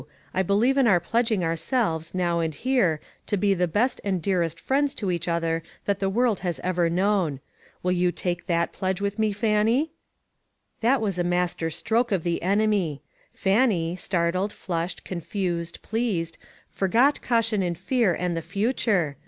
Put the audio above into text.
I believe in our pledging ourselves, now and here, to be the best and dearest friends to each other that the world has ever known. Will you take that pledge with me, Fannie ?" That was a master stroke of the enemy. Fannie, startled, flushed, confused, pleased, forgot caution and fear, and the future.